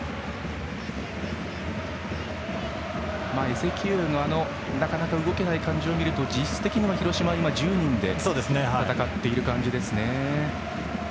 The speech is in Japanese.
エゼキエウのなかなか動けない感じを見ると実質的に広島は今１０人で戦っている感じですね。